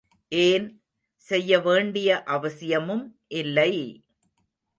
ஏன், செய்ய வேண்டிய அவசியமும் இல்லை!